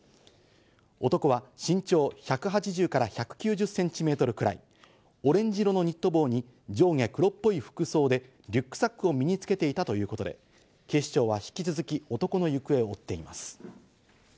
男は身長１８０センチから１９０センチくらい、オレンジ色のニット帽に上下黒っぽい服装でリュックサックを身につけていたということで警視庁は引き続き男の行方を追っています。